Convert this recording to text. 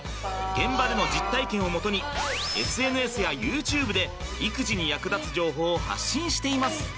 現場での実体験を基にＳＮＳやＹｏｕＴｕｂｅで育児に役立つ情報を発信しています。